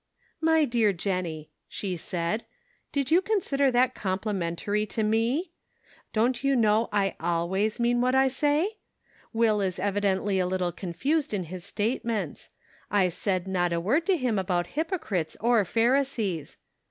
" My dear Jennie," she said, " did you con sider that complimentary to me ? Don't you know I always mean what I say ? Will is evidently a little confused in his statements. I "Yet Lackest Thou ." 155 said not a word to him about hypocrites or Pharisees.